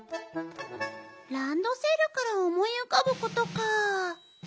らんどせるからおもいうかぶことか。